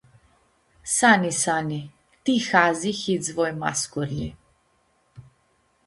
Sani Sani, Ti hazi hits voi mascurlji.